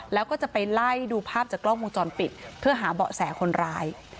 แล้วก็จะไปไล่ดูภาพจากกล้องวงจรปิดเพื่อหาเบาะแสคนร้าย